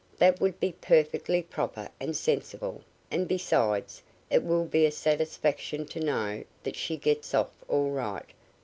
That would be perfectly proper and sensible, and besides it will be a satisfaction to know that she gets off all right.